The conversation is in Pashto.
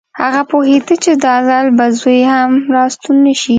هغه پوهېده چې دا ځل به زوی هم راستون نه شي